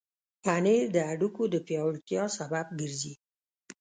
پنېر د هډوکو د پیاوړتیا سبب ګرځي.